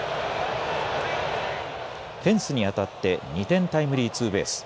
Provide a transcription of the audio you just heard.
フェンスに当たって２点タイムリーツーベース。